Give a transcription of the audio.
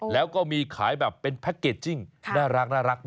แล้วก็มีขายแบบเป็นแพ็คเกจจิ้งน่ารัก